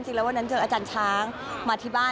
จริงแล้ววันนั้นเจออาจารย์ช้างมาที่บ้าน